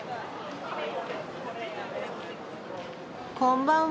こんばんは。